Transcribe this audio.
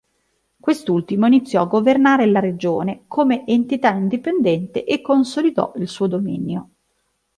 Quest'ultimo iniziò a governare la regione come entità indipendente e consolidò il suo dominio.